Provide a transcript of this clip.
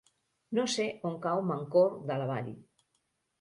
No sé on cau Mancor de la Vall.